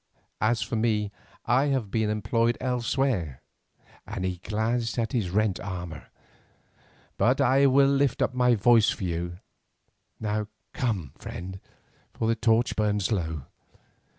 As for me, I have been employed elsewhere," and he glanced at his rent armour, "but I will lift up my voice for you. Now come, friend, for the torch burns low.